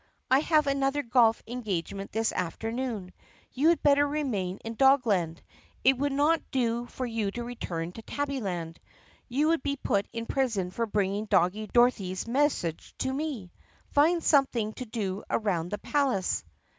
I have another golf engagement this after noon. You had better remain in Dogland. It would not do for you to return to Tabbyland. You would be put in prison for bringing Doggie Dorothy's message to me. Find some thing to do around the palace."